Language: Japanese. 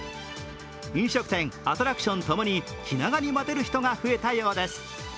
飲食店、アトラクションともに気長に待てる人が増えたようです。